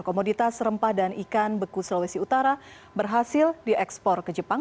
komoditas rempah dan ikan beku sulawesi utara berhasil diekspor ke jepang